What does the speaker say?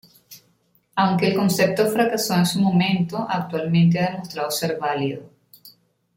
Aunque el concepto fracasó en su momento, actualmente ha demostrado ser válido.